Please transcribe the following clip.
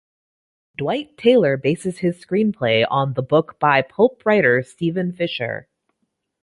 Dwight Taylor bases his screenplay on the book by pulp writer Steve Fisher.